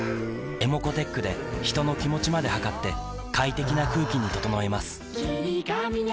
ｅｍｏｃｏーｔｅｃｈで人の気持ちまで測って快適な空気に整えます